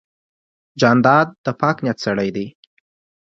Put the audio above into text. جانداد د پاک نیت سړی دی.